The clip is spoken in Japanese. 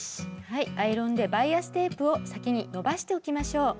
はいアイロンでバイアステープを先に伸ばしておきましょう。